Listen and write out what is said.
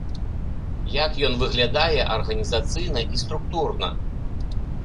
Як ён выглядае арганізацыйна і структурна?